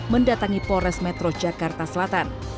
mendatangi polres metro jakarta selatan